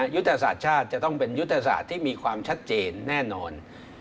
ยุทธศาสตร์ชาติจะต้องเป็นยุทธศาสตร์ที่มีความชัดเจนแน่นอน